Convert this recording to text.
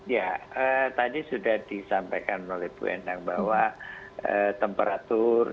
ya tadi sudah disampaikan oleh bu endang bahwa temperatur